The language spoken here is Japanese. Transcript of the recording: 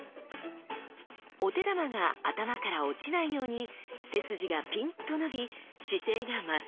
お手玉が頭から落ちないように背筋がピンと伸び姿勢がまっすぐに！